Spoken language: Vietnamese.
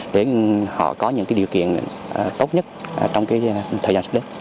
để họ có những điều kiện tốt nhất trong thời gian sắp đến